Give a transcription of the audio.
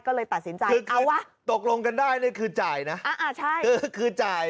ก็เลยตัดสินใจคือเอาวะตกลงกันได้นี่คือจ่ายนะอ่าใช่เออคือจ่าย